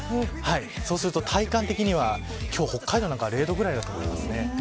そうすると体感的には今日、北海道なんかは０度ぐらいだと思います。